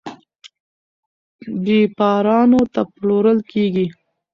بېپارانو ته پلورل کیږي.